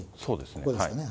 そうですね。